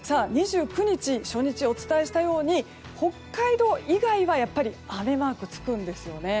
２９日、初日はお伝えしたとおり北海道以外は、やっぱり雨マークがつくんですよね。